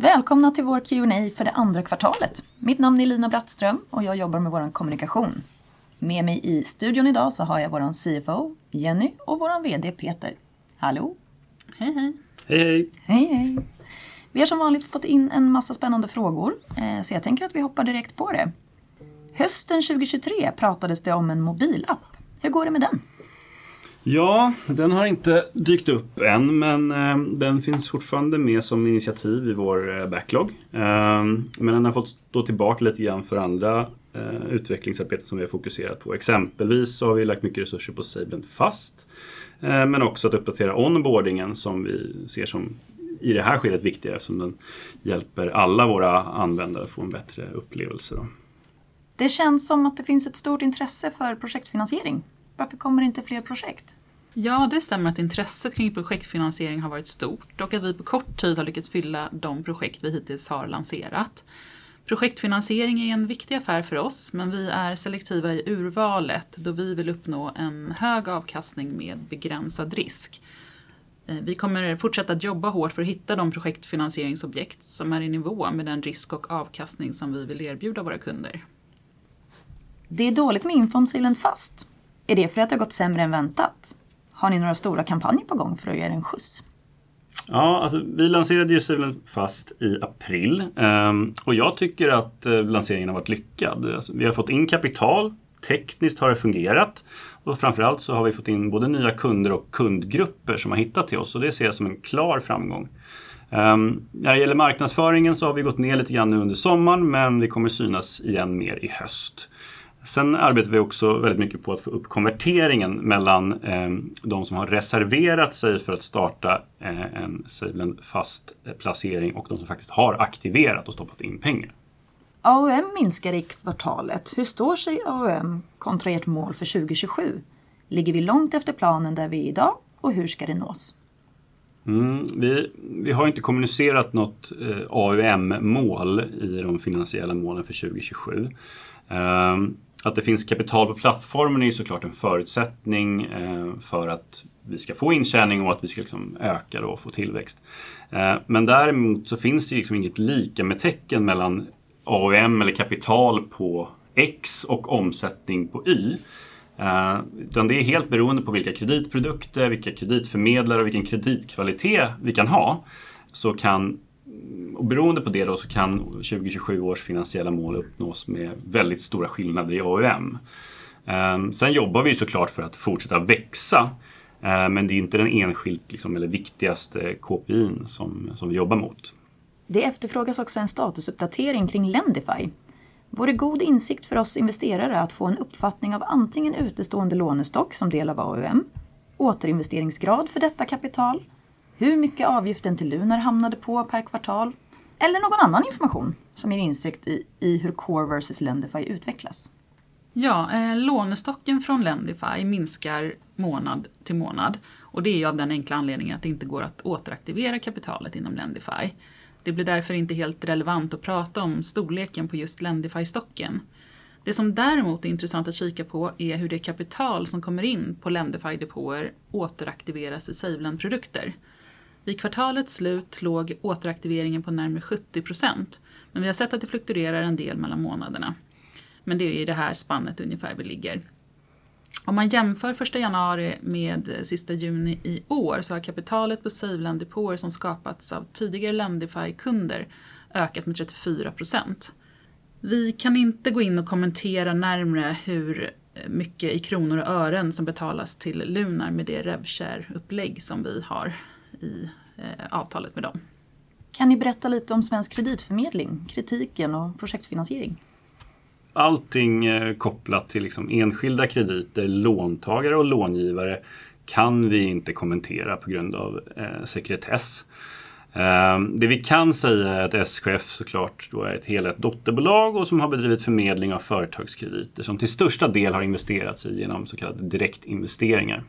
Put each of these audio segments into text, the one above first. Välkomna till vår Q&A för det andra kvartalet! Mitt namn är Lina Brattström och jag jobbar med vår kommunikation. Med mig i studion idag så har jag vår CFO, Jenny, och vår VD, Peter. Hallå? Hej, hej. Hej, hej! Hej, hej. Vi har som vanligt fått in en massa spännande frågor, så jag tänker att vi hoppar direkt på det. Hösten 2023 pratades det om en mobilapp. Hur går det med den? Ja, den har inte dykt upp än, men den finns fortfarande med som initiativ i vår backlog. Men den har fått stå tillbaka lite grann för andra utvecklingsarbeten som vi har fokuserat på. Exempelvis så har vi lagt mycket resurser på Savlen Fast, men också att uppdatera onboardingen som vi ser som, i det här skedet, viktigare eftersom den hjälper alla våra användare att få en bättre upplevelse då. Det känns som att det finns ett stort intresse för projektfinansiering. Varför kommer det inte fler projekt? Ja, det stämmer att intresset kring projektfinansiering har varit stort och att vi på kort tid har lyckats fylla de projekt vi hittills har lanserat. Projektfinansiering är en viktig affär för oss, men vi är selektiva i urvalet, då vi vill uppnå en hög avkastning med begränsad risk. Vi kommer fortsätta att jobba hårt för att hitta de projektfinansieringsobjekt som är i nivå med den risk och avkastning som vi vill erbjuda våra kunder. Det är dåligt med info om Savelend Fast. Är det för att det har gått sämre än väntat? Har ni några stora kampanjer på gång för att ge det en skjuts? Ja, alltså, vi lanserade ju Savelend Fast i april, och jag tycker att lanseringen har varit lyckad. Alltså, vi har fått in kapital, tekniskt har det fungerat och framför allt så har vi fått in både nya kunder och kundgrupper som har hittat till oss och det ser jag som en klar framgång. När det gäller marknadsföringen så har vi gått ner lite grann nu under sommaren, men vi kommer synas igen mer i höst. Sen arbetar vi också väldigt mycket på att få upp konverteringen mellan de som har reserverat sig för att starta en Savelend Fast placering och de som faktiskt har aktiverat och stoppat in pengar. AUM minskar i kvartalet. Hur står sig AUM kontra ert mål för 2027? Ligger vi långt efter planen där vi är idag och hur ska det nås? Vi har inte kommunicerat något AUM-mål i de finansiella målen för 2027. Att det finns kapital på plattformen är så klart en förutsättning för att vi ska få intjäning och att vi ska öka då och få tillväxt. Men däremot så finns det inget likamedtecken mellan AUM eller kapital på X och omsättning på Y. Utan det är helt beroende på vilka kreditprodukter, vilka kreditförmedlare och vilken kreditkvalitet vi kan ha. Och beroende på det då så kan 2027 års finansiella mål uppnås med väldigt stora skillnader i AUM. Sen jobbar vi så klart för att fortsätta växa, men det är inte den enskilt viktigaste KPI:en som vi jobbar mot. Det efterfrågas också en statusuppdatering kring Lendify. Vore god insikt för oss investerare att få en uppfattning av antingen utestående lånestock som del av AUM, återinvesteringsgrad för detta kapital, hur mycket avgiften till Lunar hamnade på per kvartal, eller någon annan information som ger insikt i hur Core versus Lendify utvecklas. Ja, lånestocken från Lendify minskar månad till månad och det är ju av den enkla anledningen att det inte går att återaktivera kapitalet inom Lendify. Det blir därför inte helt relevant att prata om storleken på just Lendify-stocken. Det som däremot är intressant att kika på är hur det kapital som kommer in på Lendify depåer återaktiveras i Saveland-produkter. Vid kvartalets slut låg återaktiveringen på närmare 70%, men vi har sett att det fluktuerar en del mellan månaderna. Men det är i det här spannet ungefär vi ligger. Om man jämför första januari med sista juni i år, så har kapitalet på Saveland depåer som skapats av tidigare Lendify kunder ökat med 34%. Vi kan inte gå in och kommentera närmare hur mycket i kronor och ören som betalas till Lunar med det revshare upplägg som vi har i avtalet med dem. Kan ni berätta lite om svensk kreditförmedling, kritiken och projektfinansiering? Allting kopplat till enskilda krediter, låntagare och långivare, kan vi inte kommentera på grund av sekretess. Det vi kan säga är att SCF så klart då är ett helägt dotterbolag och som har bedrivit förmedling av företagskrediter, som till största del har investerats i genom så kallade direktinvesteringar.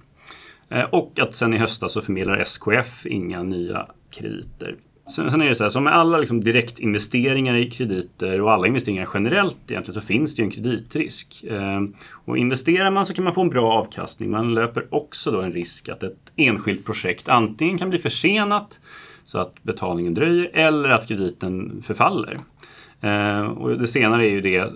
Och att sen i höstas så förmedlar SCF inga nya krediter. Sen är det så här, som med alla direktinvesteringar i krediter och alla investeringar generellt, egentligen, så finns det en kreditrisk. Och investerar man så kan man få en bra avkastning. Man löper också då en risk att ett enskilt projekt antingen kan bli försenat, så att betalningen dröjer, eller att krediten förfaller. Och det senare är ju det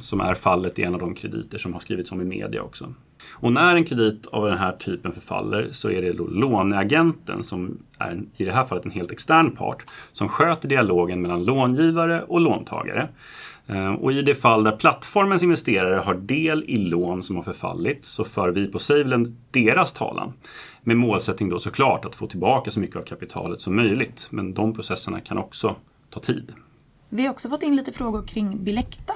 som är fallet i en av de krediter som har skrivits om i media också. Och när en kredit av den här typen förfaller, så är det då låneagenten, som är i det här fallet en helt extern part, som sköter dialogen mellan långivare och låntagare. Och i det fall där plattformens investerare har del i lån som har förfallit, så för vi på Savelend deras talan, med målsättning då så klart att få tillbaka så mycket av kapitalet som möjligt, men de processerna kan också ta tid. Vi har också fått in lite frågor kring Bilecta.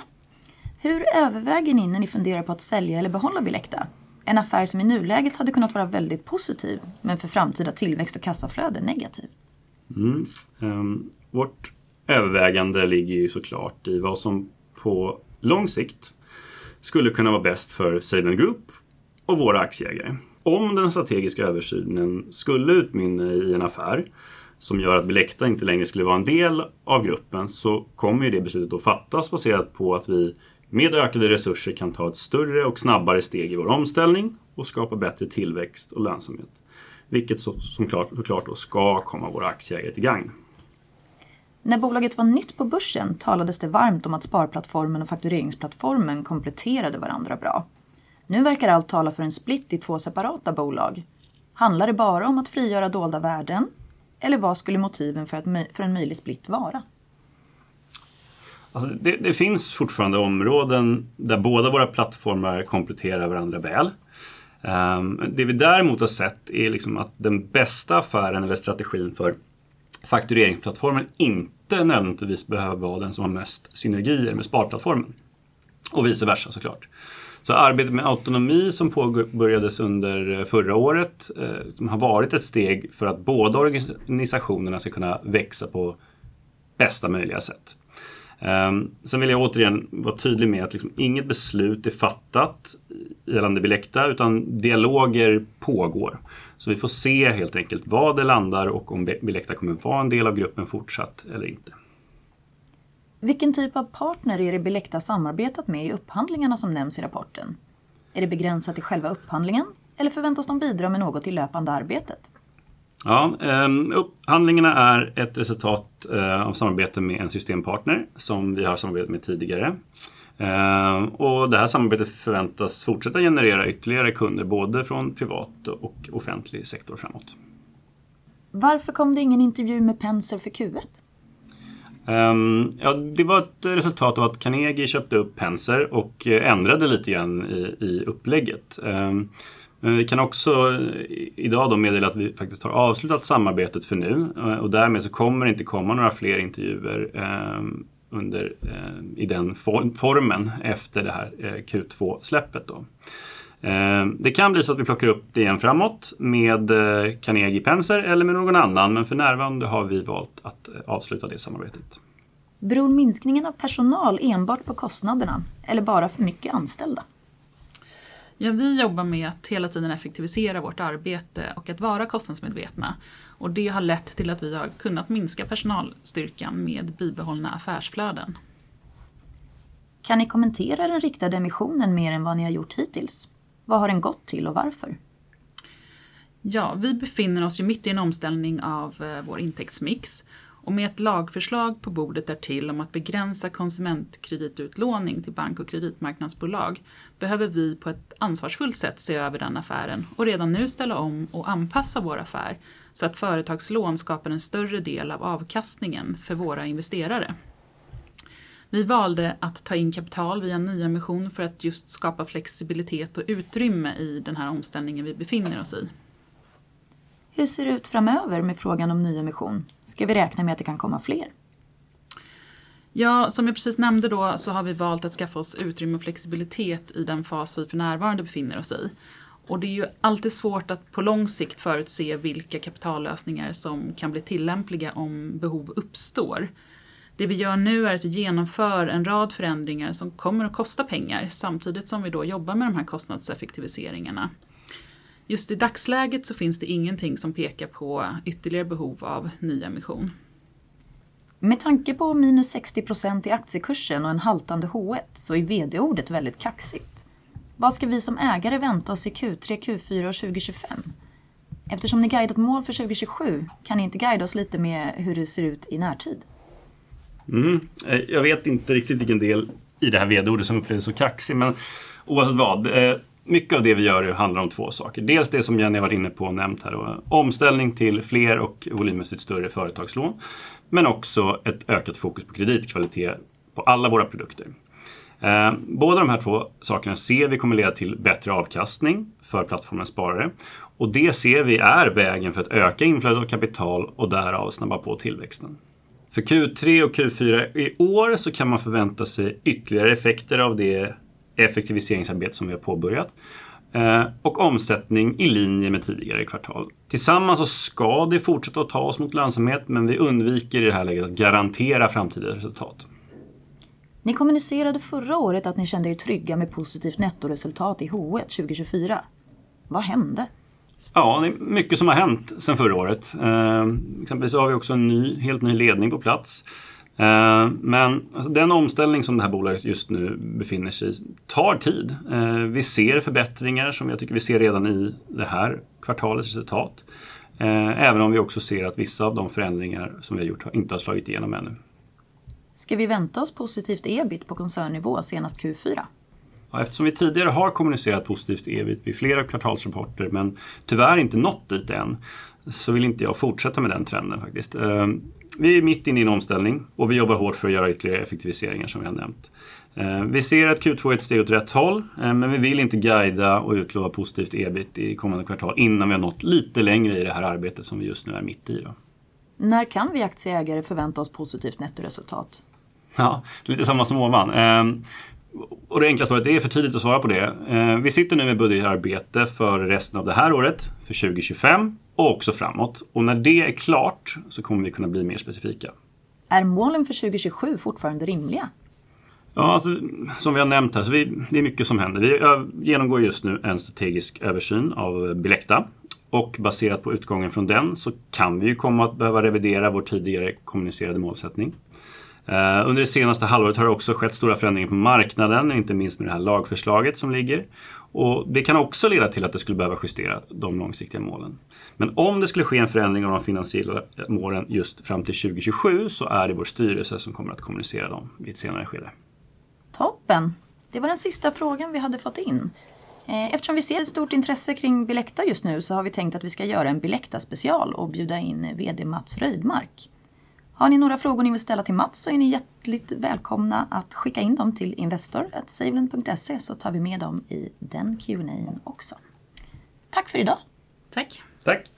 Hur överväger ni när ni funderar på att sälja eller behålla Bilecta? En affär som i nuläget hade kunnat vara väldigt positiv, men för framtida tillväxt och kassaflöde, negativ. Vårt övervägande ligger ju så klart i vad som på lång sikt skulle kunna vara bäst för Savelend Group och våra aktieägare. Om den strategiska översynen skulle utmynna i en affär som gör att Bilecta inte längre skulle vara en del av gruppen, så kommer ju det beslutet att fattas baserat på att vi med ökade resurser kan ta ett större och snabbare steg i vår omställning och skapa bättre tillväxt och lönsamhet. Vilket så klart ska komma våra aktieägare till gagn. När bolaget var nytt på börsen talades det varmt om att sparplattformen och faktureringsplattformen kompletterade varandra bra. Nu verkar allt tala för en split i två separata bolag. Handlar det bara om att frigöra dolda värden? Eller vad skulle motiven för en möjlig split vara? Alltså, det finns fortfarande områden där båda våra plattformar kompletterar varandra väl. Det vi däremot har sett är att den bästa affären eller strategin för faktureringsplattformen inte nödvändigtvis behöver vara den som har mest synergier med sparplattformen och vice versa, så klart. Så arbetet med autonomi som påbörjades under förra året har varit ett steg för att både organisationerna ska kunna växa på bästa möjliga sätt. Sen vill jag återigen vara tydlig med att inget beslut är fattat gällande Bilecta, utan dialoger pågår. Så vi får se helt enkelt var det landar och om Bilecta kommer att vara en del av gruppen fortsatt eller inte. Vilken typ av partner är det Bilecta samarbetat med i upphandlingarna som nämns i rapporten? Är det begränsat i själva upphandlingen eller förväntas de bidra med något i löpande arbetet? Ja, upphandlingarna är ett resultat av samarbeten med en systempartner som vi har samarbetat med tidigare. Och det här samarbetet förväntas fortsätta generera ytterligare kunder, både från privat och offentlig sektor framåt. Varför kom det ingen intervju med Penser för Q1? Ja, det var ett resultat av att Carnegie köpte upp Penser och ändrade lite grann i upplägget. Men vi kan också idag då meddela att vi faktiskt har avslutat samarbetet för nu, och därmed så kommer det inte komma några fler intervjuer under i den formen efter det här Q2-släppet då. Det kan bli så att vi plockar upp det igen framåt med Carnegie Penser eller med någon annan, men för närvarande har vi valt att avsluta det samarbetet. Beror minskningen av personal enbart på kostnaderna eller bara för mycket anställda? Ja, vi jobbar med att hela tiden effektivisera vårt arbete och att vara kostnadsmedvetna, och det har lett till att vi har kunnat minska personalstyrkan med bibehållna affärsflöden. Kan ni kommentera den riktade emissionen mer än vad ni har gjort hittills? Vad har den gått till och varför? Ja, vi befinner oss ju mitt i en omställning av vår intäktsmix och med ett lagförslag på bordet därtill om att begränsa konsumentkreditutlåning till bank- och kreditmarknadsbolag, behöver vi på ett ansvarsfullt sätt se över den affären och redan nu ställa om och anpassa vår affär så att företagslån skapar en större del av avkastningen för våra investerare. Vi valde att ta in kapital via en nyemission för att just skapa flexibilitet och utrymme i den här omställningen vi befinner oss i. Hur ser det ut framöver med frågan om nyemission? Ska vi räkna med att det kan komma fler? Ja, som jag precis nämnde då, så har vi valt att skaffa oss utrymme och flexibilitet i den fas vi för närvarande befinner oss i. Och det är ju alltid svårt att på lång sikt förutse vilka kapitallösningar som kan bli tillämpliga om behov uppstår. Det vi gör nu är att vi genomför en rad förändringar som kommer att kosta pengar, samtidigt som vi då jobbar med de här kostnadseffektiviseringarna. Just i dagsläget så finns det ingenting som pekar på ytterligare behov av nyemission. Med tanke på minus 60% i aktiekursen och en haltande H1, så är VD-ordet väldigt kaxigt. Vad ska vi som ägare vänta oss i Q3, Q4 och 2025? Eftersom ni guidat mål för 2027, kan ni inte guida oss lite med hur det ser ut i närtid? Mm, jag vet inte riktigt vilken del i det här VD-ordet som upplevs så kaxig, men oavsett vad, mycket av det vi gör handlar om två saker. Dels det som Jenny var inne på och nämnt här, omställning till fler och volymmässigt större företagslån, men också ett ökat fokus på kreditkvalitet på alla våra produkter. Både de här två sakerna ser vi kommer leda till bättre avkastning för plattformen sparare, och det ser vi är vägen för att öka inflöde av kapital och därav snabba på tillväxten. För Q3 och Q4 i år så kan man förvänta sig ytterligare effekter av det effektiviseringsarbete som vi har påbörjat, och omsättning i linje med tidigare kvartal. Tillsammans så ska det fortsätta att ta oss mot lönsamhet, men vi undviker i det här läget att garantera framtida resultat. Ni kommunicerade förra året att ni kände er trygga med positivt nettoresultat i H1 2024. Vad hände? Ja, det är mycket som har hänt sedan förra året. Exempelvis har vi också en ny, helt ny ledning på plats. Men den omställning som det här bolaget just nu befinner sig i tar tid. Vi ser förbättringar som jag tycker vi ser redan i det här kvartalets resultat, även om vi också ser att vissa av de förändringar som vi har gjort inte har slagit igenom ännu. Ska vi vänta oss positivt EBIT på koncernnivå senast Q4? Ja, eftersom vi tidigare har kommunicerat positivt EBIT vid flera kvartalsrapporter, men tyvärr inte nått dit än, så vill inte jag fortsätta med den trenden faktiskt. Vi är mitt inne i en omställning och vi jobbar hårt för att göra ytterligare effektiviseringar som vi har nämnt. Vi ser att Q2 är ett steg åt rätt håll, men vi vill inte guida och utlova positivt EBIT i kommande kvartal innan vi har nått lite längre i det här arbetet som vi just nu är mitt i då. När kan vi aktieägare förvänta oss positivt nettoresultat? Ja, lite samma som ovan. Och det enkla svaret, det är för tidigt att svara på det. Vi sitter nu med budgetarbetet för resten av det här året, för 2025 och också framåt. Och när det är klart så kommer vi kunna bli mer specifika. Är målen för 2027 fortfarande rimliga? Ja, alltså, som vi har nämnt här, så vi, det är mycket som händer. Vi genomgår just nu en strategisk översyn av Bilecta och baserat på utgången från den så kan vi ju komma att behöva revidera vår tidigare kommunicerade målsättning. Under det senaste halvåret har det också skett stora förändringar på marknaden, inte minst med det här lagförslaget som ligger. Det kan också leda till att det skulle behöva justera de långsiktiga målen. Men om det skulle ske en förändring av de finansiella målen just fram till 2027, så är det vår styrelse som kommer att kommunicera dem i ett senare skede. Toppen! Det var den sista frågan vi hade fått in. Eftersom vi ser ett stort intresse kring Bilecta just nu, så har vi tänkt att vi ska göra en Bilecta-special och bjuda in VD Mats Rödmark. Har ni några frågor ni vill ställa till Mats, så är ni hjärtligt välkomna att skicka in dem till investor@savrland.se så tar vi med dem i den Q&A:n också. Tack för idag. Tack. Tack!